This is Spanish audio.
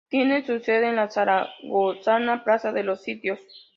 Tiene su sede en la zaragozana Plaza de los Sitios.